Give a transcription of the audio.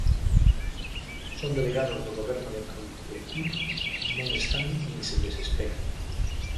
Son delegados do Goberno de Madrid e aquí non están nin se lles espera.